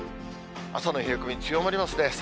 朝の冷え込み、強まりますね。